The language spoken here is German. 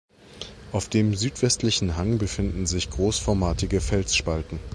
Auf dem südwestlichen Hang befinden sich großformatige Felsspalten.